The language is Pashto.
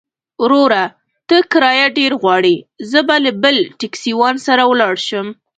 وروره! ته کرايه ډېره غواړې، زه به له بل ټکسيوان سره ولاړ شم.